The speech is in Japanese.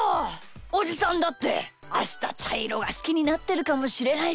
おじさんだってあしたちゃいろがすきになってるかもしれないし。